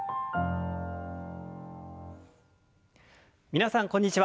皆さんこんにちは。